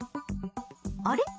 あれ？